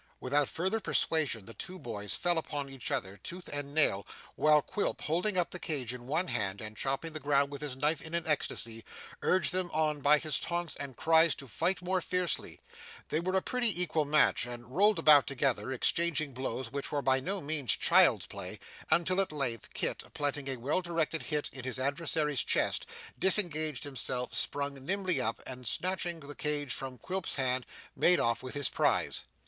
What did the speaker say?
Without further persuasion, the two boys fell upon each other, tooth and nail, while Quilp, holding up the cage in one hand, and chopping the ground with his knife in an ecstasy, urged them on by his taunts and cries to fight more fiercely. They were a pretty equal match, and rolled about together, exchanging blows which were by no means child's play, until at length Kit, planting a well directed hit in his adversary's chest, disengaged himself, sprung nimbly up, and snatching the cage from Quilp's hands made off with his prize.